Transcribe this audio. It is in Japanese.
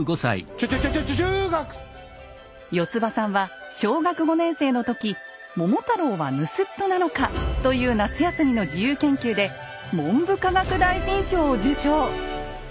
よつばさんは小学５年生の時「桃太郎は盗人なのか？」という夏休みの自由研究で文部科学大臣賞を受賞。